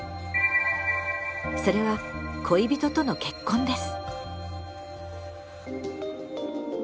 それは恋人との結婚です。